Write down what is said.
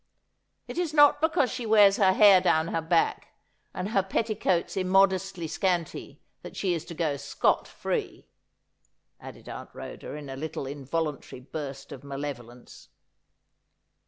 It is not because she wears her hair down her back and her petticoats immodestly scanty that she is to go scot free,' added Aunt Rhoda in a little involuntary burst of malevolence.